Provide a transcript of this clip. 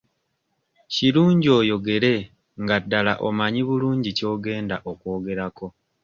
Kirungi oyogere nga ddala omanyi bulungi ky'ogenda okwogerako.